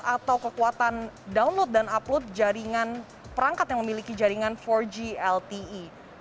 atau kekuatan download dan upload jaringan perangkat yang memiliki jaringan empat g lte